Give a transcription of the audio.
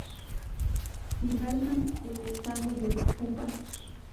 Hibernan en estado de pupas.